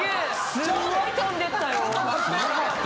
すごいとんでったよ。